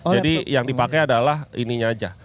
jadi yang dipakai adalah ini nya aja